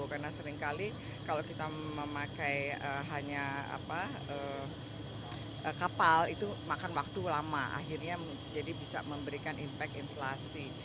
karena seringkali kalau kita memakai hanya kapal itu makan waktu lama akhirnya jadi bisa memberikan impact inflasi